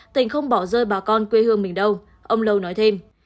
tình không bỏ rơi bà con quê hương mình đâu ông lâu nói thêm